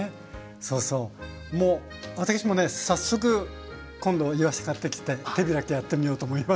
そうそうもう私もね早速今度いわし買ってきて手開きやってみようと思います。